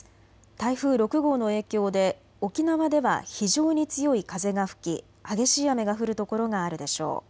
台風６号の影響で沖縄では非常に強い風が吹き激しい雨が降る所があるでしょう。